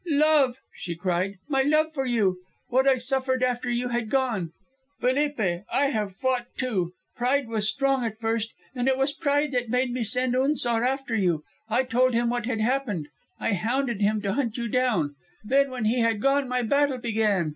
"Love," she cried; "my love for you. What I suffered after you had gone! Felipe, I have fought, too. Pride was strong at first, and it was pride that made me send Unzar after you. I told him what had happened. I hounded him to hunt you down. Then when he had gone my battle began.